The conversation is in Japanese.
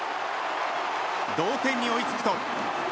同点に追いつくと。